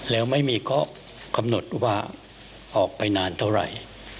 แล้วไม่มีข้อกำหนดว่าออกไปนานเท่าไหร่